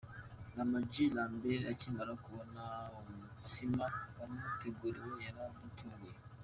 Lam G Lambert akimara kubona umutsima wamuteguriwe yaratunguwe.